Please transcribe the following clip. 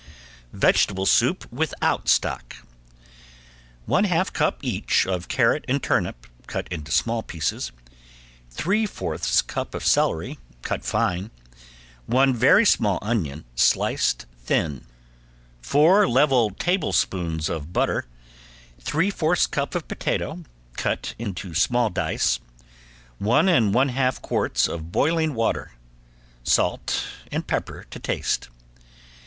~VEGETABLE SOUP~ (without stock) One half cup each of carrot and turnip, cut into small pieces, three fourths cup of celery, cut fine, one very small onion sliced thin, four level tablespoons of butter, three fourths cup of potato, cut into small dice, one and one half quarts of boiling water, salt and pepper to taste.